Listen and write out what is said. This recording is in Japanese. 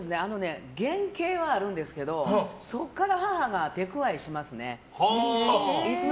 原形はあるんですけどそこから母が手加えしますね。